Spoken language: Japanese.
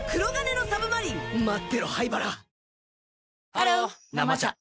ハロー「生茶」